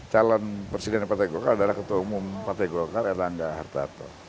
calon presiden dari partai golkar adalah ketua umum partai golkar erlanda hartato